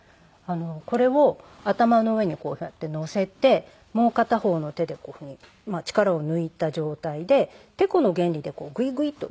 これを頭の上にこうやって載せてもう片方の手でこういうふうに力を抜いた状態でてこの原理でこうグイグイッと。